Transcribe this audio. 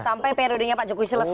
sampai periodenya pak jokowi selesai